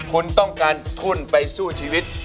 คุณต้องการทุนไปสู้ชีวิต